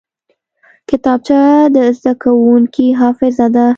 کتابچه د زده کوونکي حافظه ده